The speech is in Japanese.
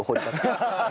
アハハハ